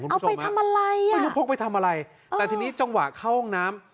เอาไปทำอะไรอ่ะไม่รู้พกไปทำอะไรแต่ทีนี้จังหวะเข้าห้องน้ำ